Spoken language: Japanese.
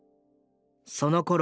そのころ